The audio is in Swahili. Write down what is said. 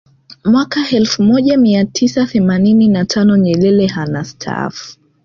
Mwaka elfu moja mia tisa themanini na tano Nyerere anastaafu